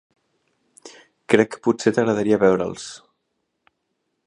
Crec que potser t'agradaria veure'ls.